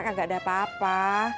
kagak ada apa apa